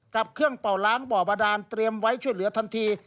กับเครื่องเป่าล้างบ่อบาดานเตรียมไว้ช่วยเหลือทันที